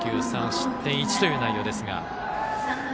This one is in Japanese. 失点１という内容ですが。